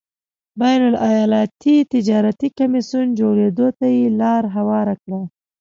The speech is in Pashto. بین الایالتي تجارتي کمېسیون جوړېدو ته یې لار هواره کړه.